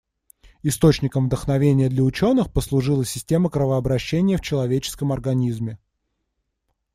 Источником вдохновения для учёных послужила система кровообращения в человеческом организме.